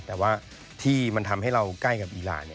แต่ว่าที่มันทำให้เราใกล้กับอีราน